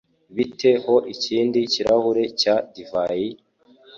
Bite ho ikindi kirahure cya divayi?